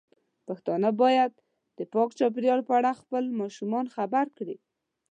پښتانه بايد د پاک چاپیریال په اړه خپل ماشومان خبر کړي.